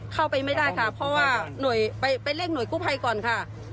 เข้าไปไม่ได้ค่ะเพราะว่าหน่วยไปเรียกหน่วยกู้ภัยก่อนค่ะ